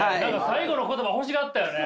最後の言葉欲しがったよね？